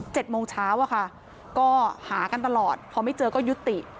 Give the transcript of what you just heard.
โมงเช้าอะค่ะก็หากันตลอดพอไม่เจอก็ยุติ